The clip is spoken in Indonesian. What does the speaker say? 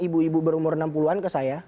ibu ibu berumur enam puluh an ke saya